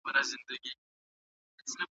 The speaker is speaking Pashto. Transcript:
د خیالي حوري په خیال کي زنګېدلای